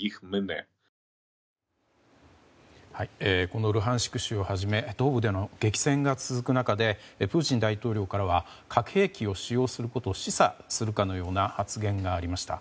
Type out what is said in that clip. このルハンシク州をはじめ東部での激戦が続く中でプーチン大統領からは核兵器を使用することを示唆するかのような発言がありました。